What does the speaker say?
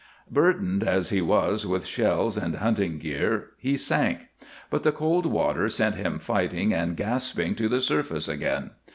Burdened as he was with shells and hunting gear he sank, but the cold water sent him fighting and gasping to the surface again.